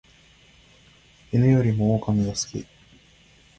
犬よりも狼が好き